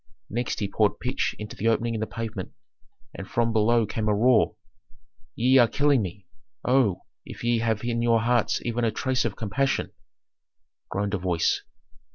Next he poured pitch into the opening in the pavement, and from below came a roar, "Ye are killing me. Oh, if ye have in your hearts even a trace of compassion," groaned a voice.